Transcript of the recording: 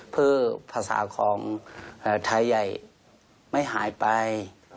เพื่อภาษาของไทยใหญ่ไม่หายไป